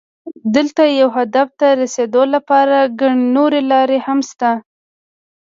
دلته یو هدف ته رسېدو لپاره ګڼې نورې لارې هم شته.